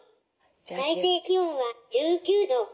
最低気温は１９度。